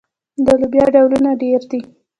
د لوبیا ډولونه ډیر دي.